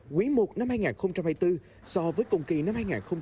quý i năm hai nghìn hai mươi bốn so với cùng kỳ năm hai nghìn hai mươi ba